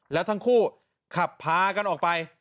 แล้วทั้งคู่ขับพากันออกไป